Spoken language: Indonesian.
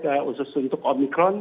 khusus untuk omicron